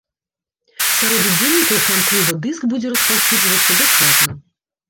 Сярод удзельнікаў фан-клуба дыск будзе распаўсюджвацца бясплатна.